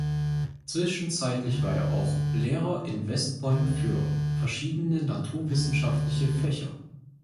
Zwischenzeitlich war er auch Lehrer in West Point für verschiedene naturwissenschaftliche Fächer.